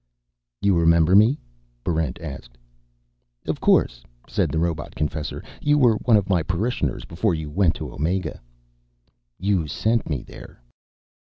"You remember me?" Barrent asked. "Of course," said the robot confessor. "You were one of my parishioners before you went to Omega." "You sent me there."